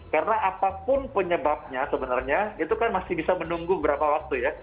karena apapun penyebabnya sebenarnya itu kan masih bisa menunggu berapa waktu ya